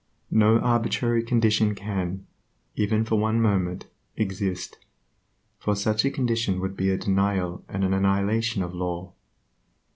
No arbitrary condition can, even for one moment, exist, for such a condition would be a denial and an annihilation of law.